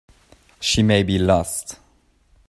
She may be lost.